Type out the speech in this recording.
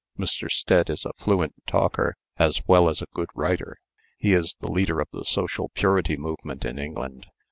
Mr. Stead is a fluent talker as well as a good writer. He is the leader of the social purity movement in England.